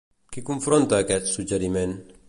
Qui confronta aquest suggeriment?